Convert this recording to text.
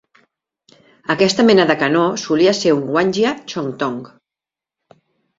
Aquesta mena de canó solia ser un hwangja-chongtong.